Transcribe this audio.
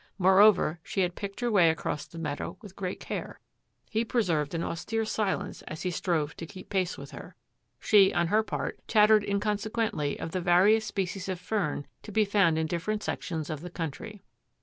Moreover, she had picked her way across the meadow with great care. He preserved an austere silence as he strove to keep pace with her. She, on her part, chattered inconsequen tially of the various species of fern to be found in different sections of the country.